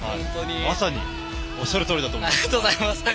まさにおっしゃるとおりだと思います。